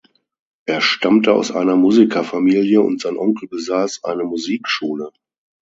Er stammte aus einer Musikerfamilie und sein Onkel besaß eine Musikschule.